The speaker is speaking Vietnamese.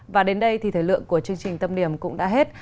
và đến đây thì thời lượng của chương trình tâm điểm cũng đã hết